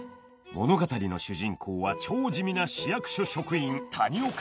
物語の主人公は超地味な市役所職員谷岡